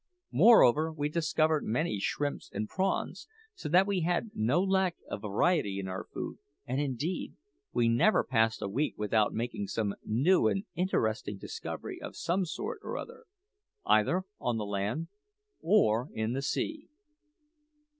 Moreover, we discovered many shrimps and prawns, so that we had no lack of variety in our food; and, indeed, we never passed a week without making some new and interesting discovery of some sort or other, either on the land or in the sea.